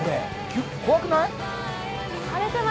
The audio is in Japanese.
怖くない？